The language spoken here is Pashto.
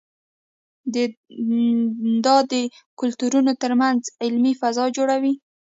دا د کلتورونو ترمنځ علمي فضا جوړوي.